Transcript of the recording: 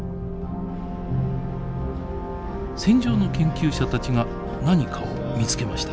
船上の研究者たちが何かを見つけました。